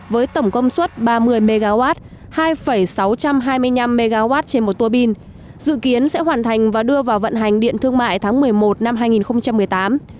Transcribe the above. với tổng công suất ba mươi mw hai sáu trăm hai mươi năm mw trên một tua bin dự kiến sẽ hoàn thành và đưa vào vận hành điện thương mại tháng một mươi một năm hai nghìn một mươi tám